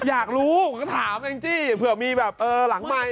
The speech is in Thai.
อยากรู้ผมก็ถามจริงจริงเผื่อมีแบบหลังไมค์